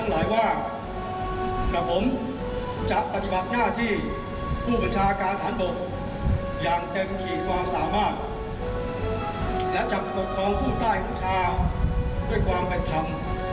และจับปกครองผู้ใต้ของชาติด้วยความเป็นธรรม